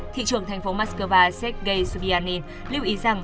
thị trưởng thành phố moscow sergei sbyannin lưu ý rằng